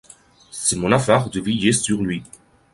C’est mon affaire de veiller sur lui.